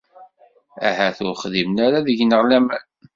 Ahat ur xdimen ara deg-neɣ laman.